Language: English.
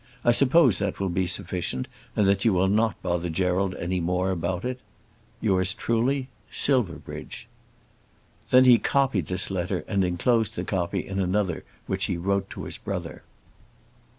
I suppose that will be sufficient, and that you will not bother Gerald any more about it. Yours truly, SILVERBRIDGE. Then he copied this letter and enclosed the copy in another which he wrote to his brother.